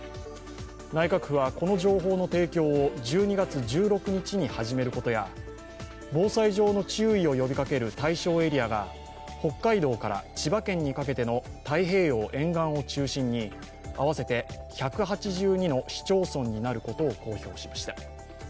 内閣府はこの情報の提供を１２月１６日に始めることや防災上の注意を呼びかける対象エリアが北海道から千葉県にかけての太平洋沿岸を中心に合わせて１８２の市町村になることを公表しました。